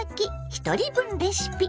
ひとり分レシピ」。